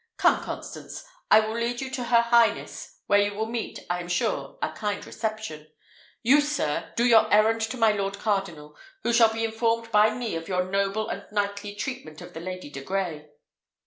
Come, Constance, I will lead you to her highness, where you will meet, I am sure, a kind reception. You, sir, do your errand to my lord cardinal, who shall be informed by me of your noble and knightly treatment of the Lady de Grey."